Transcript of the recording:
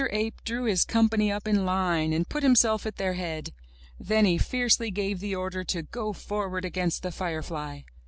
Ape drew his company up in line and put him self at their head; then he fiercely gave the order to go forward against the firefly.